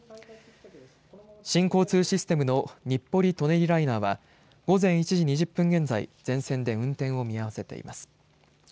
新交通システムの日暮里・舎人ライナーは午前１時２０分現在全線で運転を見合わせています。